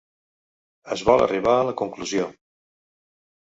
Es vol arribar a la conclusió: